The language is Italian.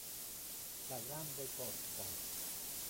La grande corsa